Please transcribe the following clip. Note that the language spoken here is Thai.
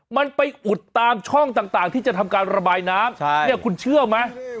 มันไปอุดตามช่องต่างที่จะทำการระบายน้ำเนี่ยคุณเชื่อไหม